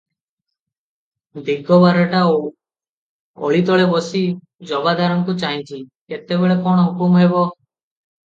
ଦିଗବାରଟା ଓଳିତଳେ ବସି ଜମାଦାରଙ୍କୁ ଚାହିଁଛି, କେତେବେଳେ କଣ ହୁକୁମ ହେବ ।